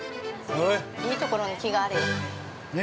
◆いいところに木があるよ。